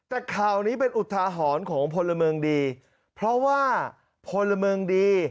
แต่คราวนี้เป็นอุทหาหอนของพนเมิงดีเพราะว่าพนเมิงดี